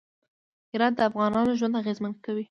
هرات د افغانانو ژوند اغېزمن کوي.